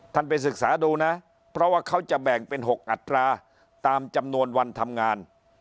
ไปศึกษาดูนะเพราะว่าเขาจะแบ่งเป็น๖อัตราตามจำนวนวันทำงาน